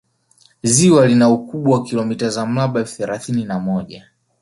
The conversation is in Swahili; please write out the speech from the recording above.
ziwa lina ukubwa wa kilomita za mraba elfu thelathini na moja